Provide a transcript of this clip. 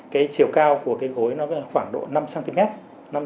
cái chiều cao của cây gối nó khoảng độ năm cm